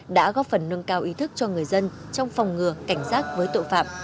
đã góp phần nâng cao ý thức cho người dân trong phòng ngừa cảnh giác với tội phạm